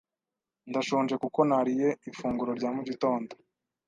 Ndashonje kuko ntariye ifunguro rya mu gitondo.